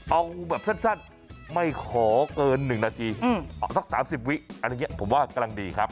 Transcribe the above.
เอาแบบสั้นไม่ขอเกิน๑นาทีออกสัก๓๐วิอันนี้ผมว่ากำลังดีครับ